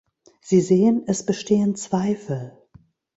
Sie sehen, es bestehen Zweifel.